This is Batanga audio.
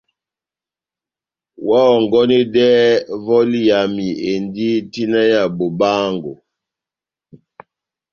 Oháhɔngɔnedɛhɛ vɔli yami endi tina ya bobaángo.